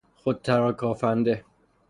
خود تراکافنده